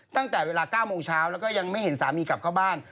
ตั้งแต่เวลา๙โมงเช้าแล้วก็ยังไม่เห็นสามีกลับเข้าบ้าน